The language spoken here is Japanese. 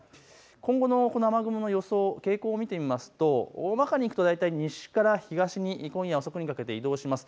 今後の雨雲の予想、傾向を見てみるとおおまかに行くと大体西から東に今夜遅くにかけて移動します。